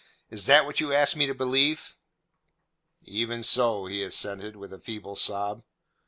Is that what you ask me to believe?" "Even so," he assented, with a feeble sob.